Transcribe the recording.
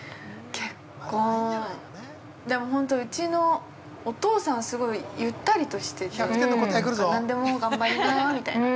◆結婚でも、本当うちのお父さんすごいゆったりとしてて何でも頑張りなみいたいな。